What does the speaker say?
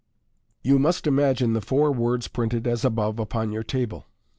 You must imagine the four words printed as above upon your table.